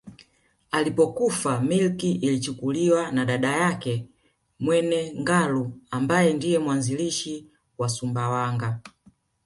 Alipokufa milki ilichukuliwa na dada yake Mwene Ngalu ambaye ndiye mwanzilishi wa Sumbawanga